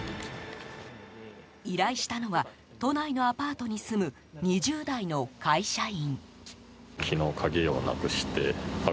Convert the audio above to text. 依頼したのは都内のアパートに住む２０代の会社員。